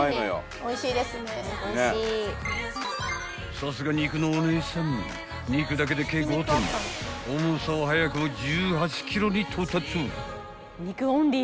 ［さすが肉のお姉さん肉だけで計５点重さは早くも１８ｋｇに到達］